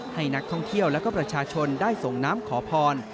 ให้นักท่องเที่ยวและก็ประชาชนได้ส่งน้ำขอพร